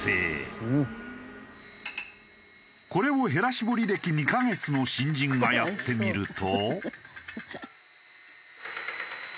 これをへら絞り歴２カ月の新人がやってみると。